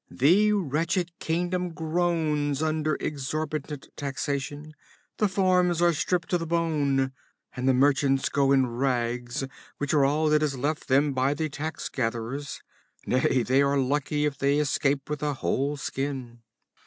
The wretched kingdom groans under exorbitant taxation, the farms are stripped to the bone, and the merchants go in rags which are all that is left them by the tax gatherers. Nay, they are lucky if they escape with a whole skin.